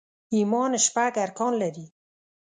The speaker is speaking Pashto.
ايمان شپږ ارکان لري